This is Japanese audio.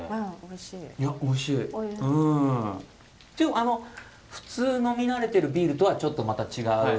あの普通飲み慣れてるビールとはちょっとまた違う。